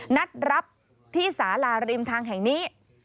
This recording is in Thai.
นัดรับที่สาราริมทางแห่งนี้